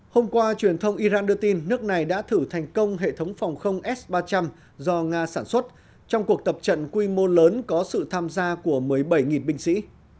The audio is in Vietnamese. hôm qua truyền thông iran đưa tin nước này đã thử thành công hệ thống phòng không s ba trăm linh do nga sản xuất trong cuộc tập trận quy mô lớn có sự tham gia của một mươi bảy binh sĩ